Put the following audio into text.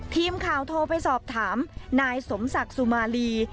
ทีมข่าวโทรไปสอบถามนายสมศักดิ์สุมาลี